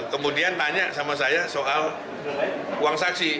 kemudian tanya sama saya soal uang saksi